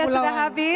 waktu anda sudah habis